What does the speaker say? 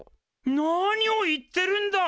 何を言ってるんだ！